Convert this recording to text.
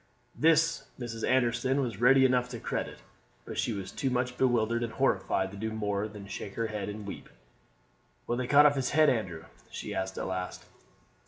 This Mrs. Anderson was ready enough to credit, but she was too much bewildered and horrified to do more than to shake her head and weep. "Will they cut off his head, Andrew?" she asked at last.